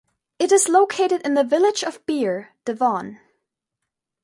It is located in the village of Beer, Devon.